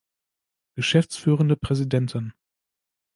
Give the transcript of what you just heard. Geschäftsführende Präsidenten